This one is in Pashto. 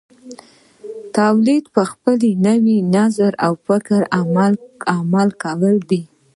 تولید په خپل نوي نظر او فکر عمل کول دي.